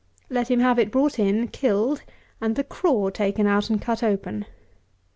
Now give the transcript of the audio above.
Let him have it brought in, killed, and the craw taken out and cut open.